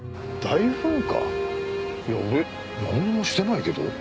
いや俺何もしてないけど？